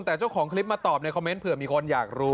แต่เจ้าของคลิปมาตอบในคอมเมนต์เผื่อมีคนอยากรู้